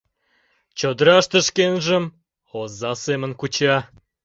Чодыраште шкенжым оза семын куча.